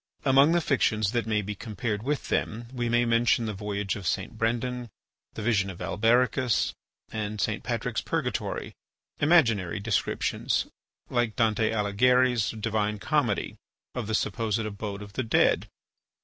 Among the fictions that may be compared with them we may mention "The Voyage of St. Brendan," "The Vision of Albericus," and "St. Patrick's Purgatory," imaginary descriptions, like Dante Alighieri's "Divine Comedy," of the supposed abode of the dead.